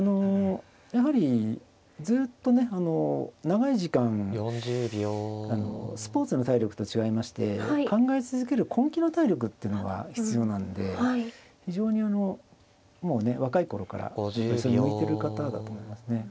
やはりずっとね長い時間あのスポーツの体力と違いまして考え続ける根気の体力ってのが必要なんで非常にもうね若い頃からやっぱりそれに向いてる方だと思いますね。